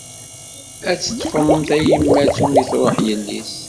Ad teṭfem tayemmat umi truḥ yelli-s?